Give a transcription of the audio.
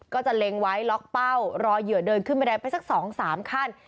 จะเล็งไว้ล็อกเป้ารอเหยื่อเดินขึ้นบันไดไปสัก๒๓ขั้น